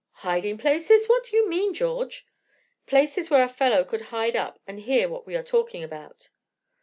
"Hiding places! What do you mean, George?" "Places where a fellow could hide up and hear what we are talking about."